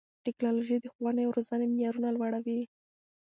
ټیکنالوژي د ښوونې او روزنې معیارونه لوړوي.